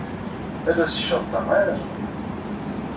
Ala s ccerṭ-a ara neqbel.